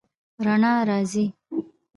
رڼا راځي